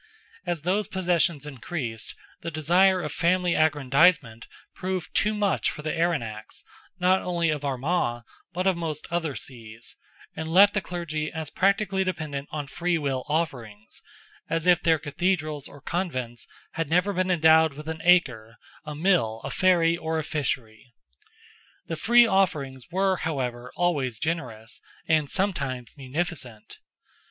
As those possessions increased, the desire of family aggrandizement proved too much for the Erenachs not only of Armagh, but of most other sees, and left the clergy as practically dependent on free will offerings, as if their Cathedrals or Convents had never been endowed with an acre, a mill, a ferry, or a fishery. The free offerings were, however, always generous, and sometimes munificent.